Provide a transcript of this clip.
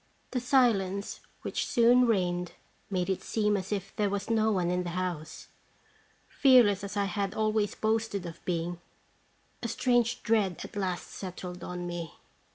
The silence which soon reigned made it seem as if there was no one in the house. Fearless as I had always boasted of being, a strange dread at last settled on me.